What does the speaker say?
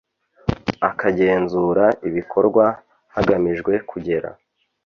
akagenzura ibikorwa hagamijwe kugera